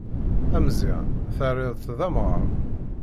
Ameẓyan terriḍ-t d amɣar.